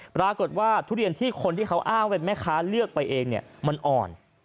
ปรากฏว่าทุเรียนที่คนที่เขาอ้างเป็นแม่ค้าเลือกไปเองเนี่ยมันอ่อน